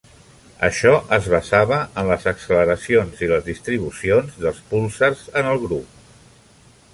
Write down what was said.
Això es basava en les acceleracions i les distribucions dels púlsars en el grup.